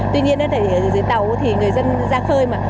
tuy nhiên ở dưới tàu thì người dân ra khơi mà